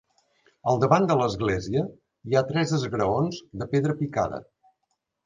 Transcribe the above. Al davant de l'església hi ha tres esgraons de pedra picada.